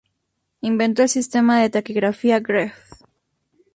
Inventó el sistema de taquigrafía Gregg.